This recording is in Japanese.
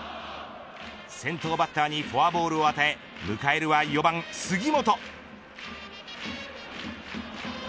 先頭バッターにフォアボールを与え迎えるは、４番杉本。